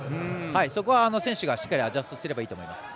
そこは選手がしっかりアジャストすればいいと思います。